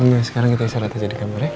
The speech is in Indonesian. oke sekarang kita isi rata rata di kamar ya